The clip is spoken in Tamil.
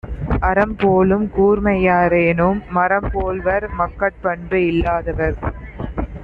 அரம்போலும் கூர்மையரேனும், மரம்போல்வர் மக்கட்பண்பு இல்லாதவர்.